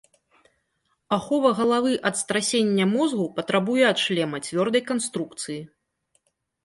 Ахова галавы ад страсення мозгу патрабуе ад шлема цвёрдай канструкцыі.